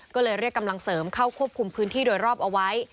ก็เลยเรียกกำลังเสริมเข้าควบคุมพื้นที่โดยรอบเอาไว้